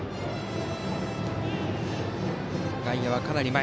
外野、かなり前。